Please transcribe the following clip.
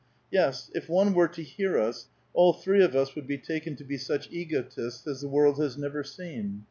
Yes, if one were to hear us, all three of us would be taken to be such egotists as the world has never seen.